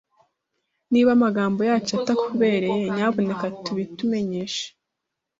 Niba amagambo yacu atakubereye, nyamuneka tubitumenyeshe.